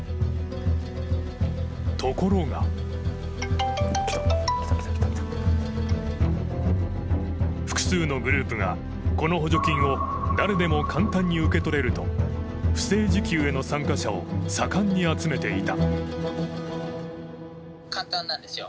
ところが複数のグループがこの補助金を誰でも簡単に受け取れると不正受給への参加者を盛んに集めていた。